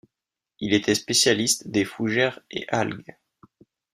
Il était spécialiste des fougères et algues.